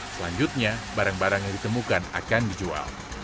selanjutnya barang barang yang ditemukan akan dijual